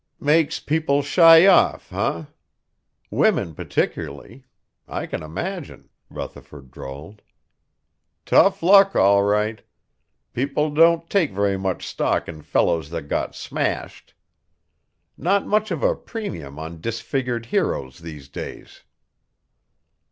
"Makes people shy off, eh? Women particularly. I can imagine," Rutherford drawled. "Tough luck, all right. People don't take very much stock in fellows that got smashed. Not much of a premium on disfigured heroes these days."